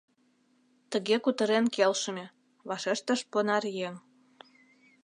— Тыге кутырен келшыме, — вашештыш понаръеҥ.